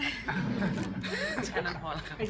แค่นั้นพอแล้วครับ